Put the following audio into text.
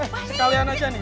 eh sekalian aja nih